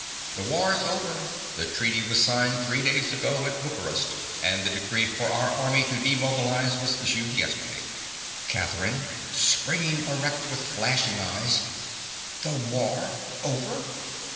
The war's over. The treaty was signed three days ago at Bucharest; and the decree for our army to demobilize was issued yesterday. CATHERINE. (springing erect, with flashing eyes). The war over!